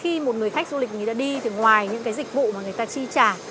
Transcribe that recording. khi một người khách du lịch người ta đi thì ngoài những cái dịch vụ mà người ta chi trả